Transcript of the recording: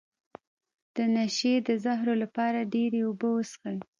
د نشې د زهرو لپاره ډیرې اوبه وڅښئ